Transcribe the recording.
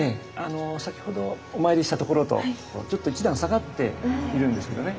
先ほどお参りしたところとちょっと一段下がっているんですけどね。